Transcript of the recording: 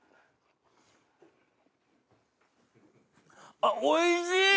あっおいしい！